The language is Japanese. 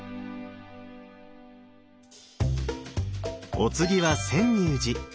お次は泉涌寺。